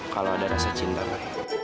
kalau ada rasa cinta